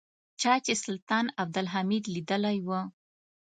چا چې سلطان عبدالحمید لیدلی و.